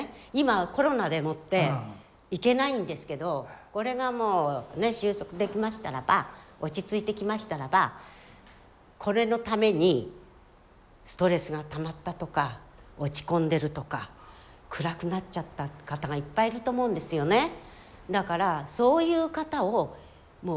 今コロナでもって行けないんですけどこれが終息できましたらば落ち着いてきましたらばこれのためにストレスがたまったとか落ち込んでるとか暗くなっちゃった方がいっぱいいると思うんですよね。